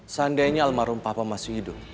seandainya almarhum papa masih hidup